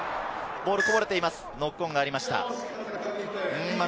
ボールがこぼれています、ノックオンがありました。